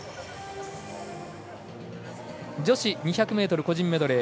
女子２００ｍ個人メドレー